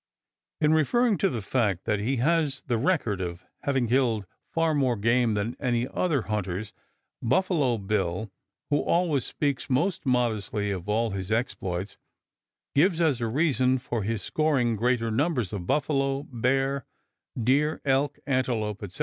In referring to the fact that he has the record of having killed far more game than other great hunters, Buffalo Bill, who always speaks most modestly of all his exploits, gives as a reason for his scoring greater numbers of buffalo, bear, deer, elk, antelope, etc.